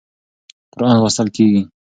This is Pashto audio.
قرآن لوستل کېږي.